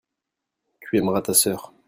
tu aimeras ta sœur.